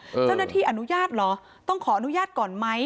เจ้าหน้าที่อนุญาตเหรอต้องขออนุญาตก่อนไหม